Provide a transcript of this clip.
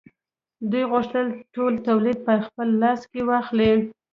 دوی غوښتل ټول تولید په خپل لاس کې واخلي